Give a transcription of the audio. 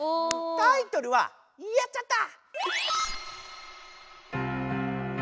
タイトルは「やっちゃった」。